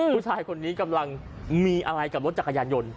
ผู้ชายคนนี้กำลังมีอะไรกับรถจักรยานยนต์